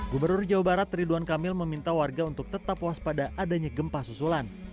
gubernur jawa barat ridwan kamil meminta warga untuk tetap waspada adanya gempa susulan